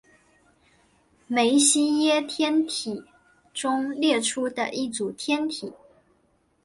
梅西耶天体中列出的一组天体。